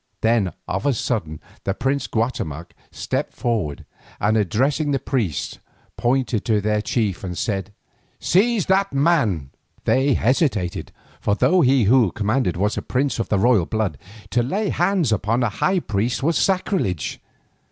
Then of a sudden the prince Guatemoc stepped forward, and addressing the priests, pointed to their chief, and said: "Seize that man!" They hesitated, for though he who commanded was a prince of the blood royal, to lay hands upon a high priest was sacrilege.